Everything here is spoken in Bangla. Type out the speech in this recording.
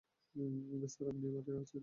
স্যার, আপনিই মাঠে আছেন।